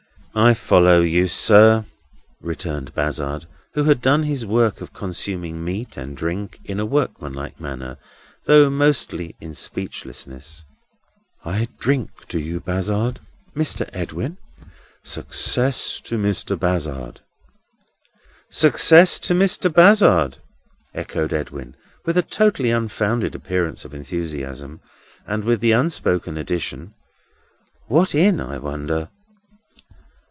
"I follow you, sir," returned Bazzard; who had done his work of consuming meat and drink in a workmanlike manner, though mostly in speechlessness. "I drink to you, Bazzard; Mr. Edwin, success to Mr. Bazzard!" "Success to Mr. Bazzard!" echoed Edwin, with a totally unfounded appearance of enthusiasm, and with the unspoken addition: "What in, I wonder!"